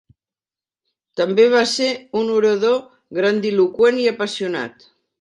També va ser un orador grandiloqüent i apassionat.